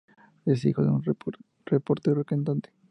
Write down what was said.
Es hijo de un reportero y cantante.